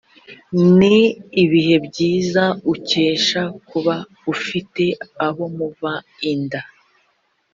ni ibihe byiza ukesha kuba ufite abo muva inda